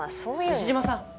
西島さん！